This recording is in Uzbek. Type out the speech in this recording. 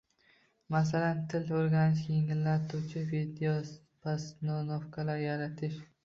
Masalan, til o‘rganishni yengillatuvchi vidoyepostanovkalar yaratish